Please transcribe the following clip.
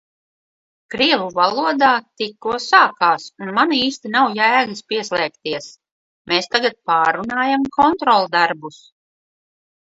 Krievu valodā tikko sākās un man īsti nav jēgas pieslēgties. Mēs tagad pārrunājam kontroldarbus.